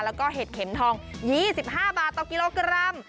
แล้วก็เห็ดเข็มทอง๒๕บาทต่อกิโลกรัม